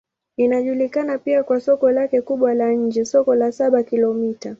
Inajulikana pia kwa soko lake kubwa la nje, Soko la Saba-Kilomita.